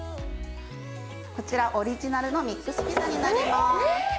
こちらオリジナルのミックスピザになります。